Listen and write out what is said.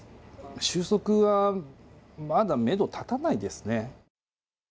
収束はまだメド立たないですね。